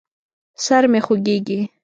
سر مې خوږېږي.